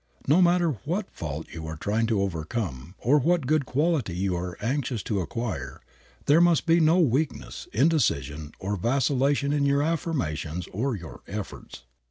No matter what fault you are trying to overcome or what good quality you are anxious to acquire there must be no weakness, indecision or vacillation in your affirmations or your efforts.